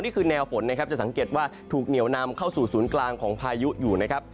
นี่คือแนวฝนนะครับจะสังเกตว่าถูกเหนียวนำเข้าสู่ศูนย์กลางของพายุอยู่นะครับ